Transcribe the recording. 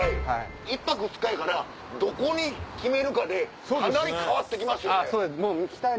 １泊２日やからどこに決めるかでかなり変わって来ますよね。